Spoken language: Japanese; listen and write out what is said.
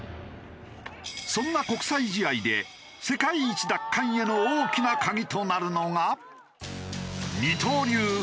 そんな国際試合で世界一奪還への大きなカギとなるのが。